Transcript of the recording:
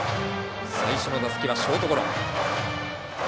最初の打席はショートゴロ。